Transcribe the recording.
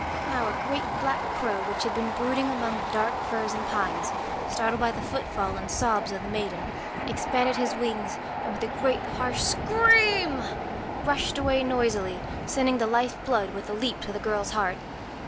Now a great black crow, which had been brooding among dark firs and pines, startled by the footfall and sobs of the maiden, expanded his wings, and, with a harsh scream, rushed away, noisily, sending the life blood with a leap to the girl's heart.